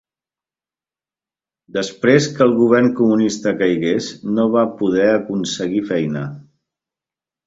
Després que el govern Comunista caigués, no va poder aconseguir feina.